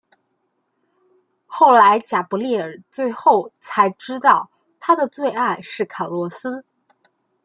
后来贾柏莉儿最后才知道她的最爱是卡洛斯。